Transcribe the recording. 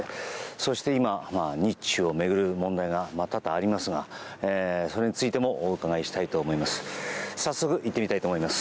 そして今、日中を巡る問題が多々ありますがそれについてもお伺いしたいと思います。